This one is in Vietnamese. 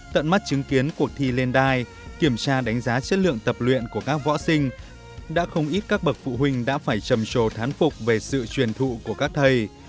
tận mắt chứng kiến cuộc thi lên đai kiểm tra đánh giá chất lượng tập luyện của các võ sinh đã không ít các bậc phụ huynh đã phải trầm trồ thán phục về sự truyền thụ của các thầy